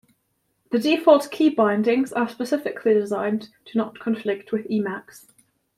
The default keybindings are specifically designed to not conflict with Emacs.